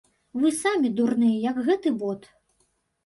Вы самі дурныя, як гэты бот!